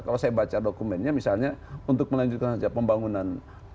kalau saya baca dokumennya misalnya untuk melanjutkan saja pembangunan